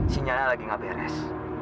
si nyana lagi gak beres